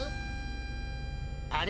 あ？